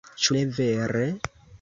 Ĉu ne vere?